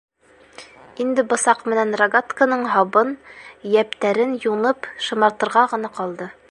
Инде бысаҡ менән рогатканың һабын, йәптәрен юнып шымартырға ғына ҡалды.